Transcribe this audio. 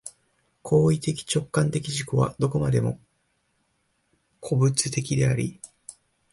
行為的直観的自己がどこまでも個物的であり、